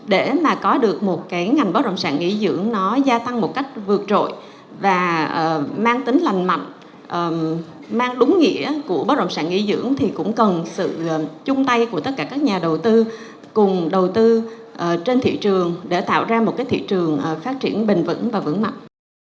để mà có được một cái ngành bất động sản nghỉ dưỡng nó gia tăng một cách vượt trội và mang tính lành mạnh mang đúng nghĩa của bất động sản nghỉ dưỡng thì cũng cần sự chung tay của tất cả các nhà đầu tư cùng đầu tư trên thị trường để tạo ra một cái thị trường phát triển bền vững và vững mạnh